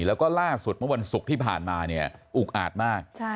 แล้วก็ล่าสุดเมื่อวันศุกร์ที่ผ่านมาเนี่ยอุกอาจมาก